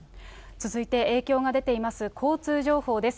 続いて影響が出ています、交通情報です。